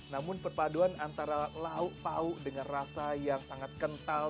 namun perpaduan antara lauk pauk dengan rasa yang sangat kental